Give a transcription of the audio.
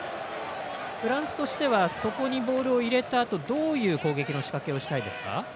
フランスとしてはそこにボールを入れたあとどういう攻撃の仕掛けをしたいですか？